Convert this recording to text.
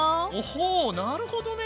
ほうなるほどね！